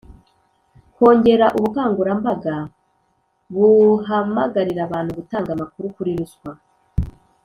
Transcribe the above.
kongera ubukangurambaga buhamagarira abantu gutanga amakuru kuri ruswa